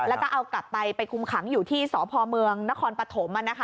แล้วก็เอากลับไปไปคุมขังอยู่ที่สพเมืองนครปฐม